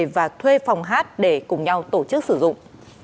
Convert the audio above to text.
và thuê phòng hát để cùng nhau tổ chức sử dụng